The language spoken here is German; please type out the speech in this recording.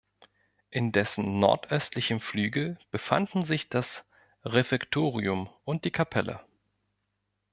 In dessen nordöstlichem Flügel befanden sich das Refektorium und die Kapelle.